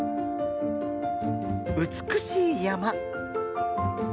うつくしいやま。